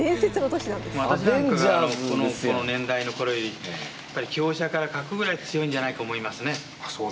私なんかがこの年代の頃よりやっぱり香車から角ぐらい強いんじゃないと思いますね。